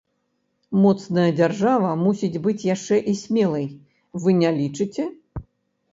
Моцная дзяржава мусіць быць яшчэ і смелай, вы не лічыце?